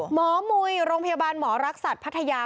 มุยโรงพยาบาลหมอรักษัตริย์พัทยา